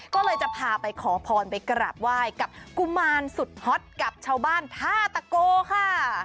ก็เลยจะพาไปขอพรไปกราบไหว้กับกุมารสุดฮอตกับชาวบ้านท่าตะโกค่ะ